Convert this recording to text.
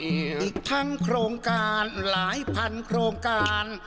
อีกทั้งโครงการหลายพันโครงการ